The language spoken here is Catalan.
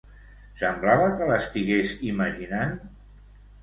Semblava que l'estigués imaginant?